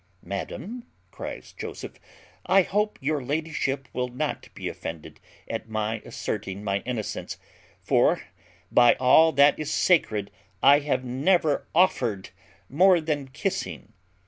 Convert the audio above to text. "Madam," cries Joseph, "I hope your ladyship will not be offended at my asserting my innocence; for, by all that is sacred, I have never offered more than kissing."